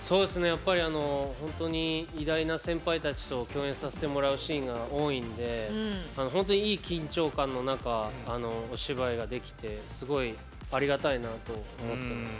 やっぱりあのほんとに偉大な先輩たちと共演させてもらうシーンが多いんでほんとにいい緊張感の中お芝居ができてすごいありがたいなあと思ってます